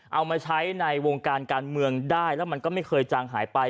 เอามาใช้ในวงการการเมืองได้แล้วมันก็ไม่เคยจางหายไป